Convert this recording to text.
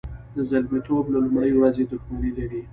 د زلمیتوب له لومړۍ ورځې دښمني لري.